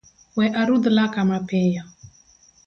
We arudh laka mapiyo